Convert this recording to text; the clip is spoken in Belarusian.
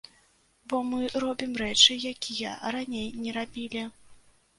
Бо мы робім рэчы, якія раней не рабілі.